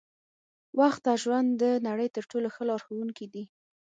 وخت او ژوند د نړۍ تر ټولو ښه لارښوونکي دي.